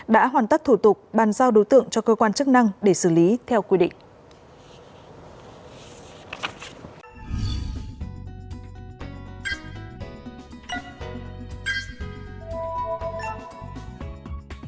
đã hoàn tất thủ tục bàn giao đối tượng cho cơ quan chức năng để xử lý theo quy định